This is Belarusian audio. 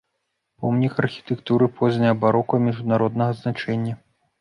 Помнік архітэктуры позняга барока міжнароднага значэння.